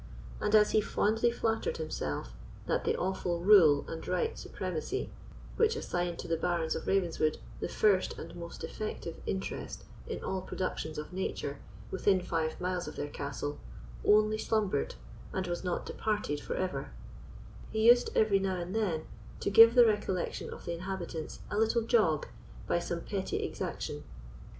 And as he fondly flattered himself that the awful rule and right supremacy, which assigned to the Barons of Ravenswood the first and most effective interest in all productions of nature within five miles of their castle, only slumbered, and was not departed for ever, he used every now and then to give the recollection of the inhabitants a little jog by some petty exaction.